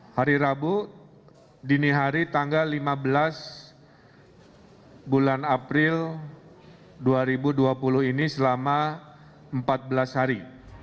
hari rabu dini hari tanggal lima belas bulan april dua ribu dua puluh ini selama empat belas hari